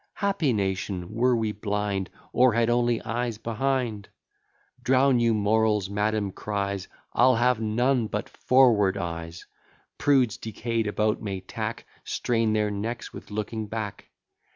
Happy nation, were we blind, Or had only eyes behind! Drown your morals, madam cries, I'll have none but forward eyes; Prudes decay'd about may tack, Strain their necks with looking back.